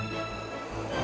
gak ada bantuan